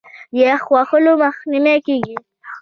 د یخ وهلو مخنیوی کیږي.